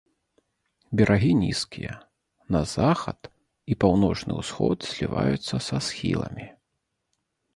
Берагі нізкія, на захад і паўночны ўсход зліваюцца са схіламі.